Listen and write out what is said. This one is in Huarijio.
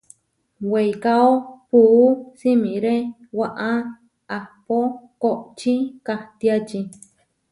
Weikáo puú simiré waʼá ahpó koʼočí kahtiači.